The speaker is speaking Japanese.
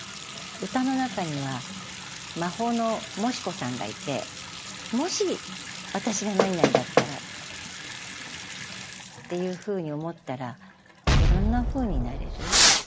歌の中には「魔法のもし子さん」がいて「もし私がなになにだったら」っていうふうに思ったらいろんなふうになれる。